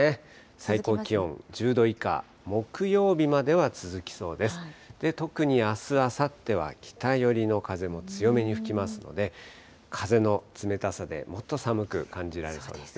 最高気温１０度以下、木曜日までは続きそうですね。